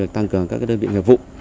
tăng cường các đơn vị nghiệp vụ